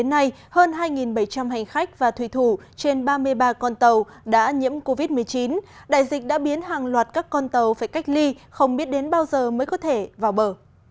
đến nay hơn hai bảy trăm linh hành khách và thủy thủ trên ba mươi ba con tàu đã nhiễm covid một mươi chín đại dịch đã biến hàng loạt các con tàu phải cách ly không biết đến bao giờ mới có thể vào bờ